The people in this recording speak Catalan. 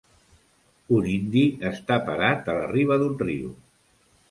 Un indi està parat a la riba d'un riu.